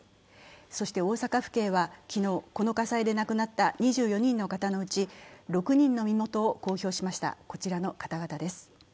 そして大阪府警は昨日、この火災で亡くなった２４人の方のうち６人の身元を公表しました、こちらの方々です。